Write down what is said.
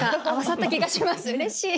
うれしい！